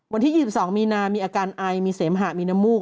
วันที่๒๒มีนามีอาการไอมีเสมหะมีน้ำมูก